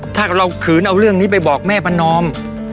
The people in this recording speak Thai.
ถ้าเราขืนเอาเรื่องนี้ไปบอกแม่ประนอม